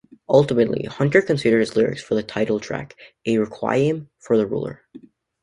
Ultimately, Hunter considered his lyrics for the title track a requiem for the ruler.